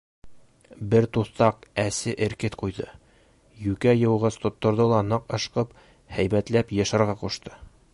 Бер туҫтаҡ әсе эркет ҡуйҙы, йүкә йыуғыс тотторҙо ла ныҡ ышҡып, һәйбәтләп йышырға ҡушты.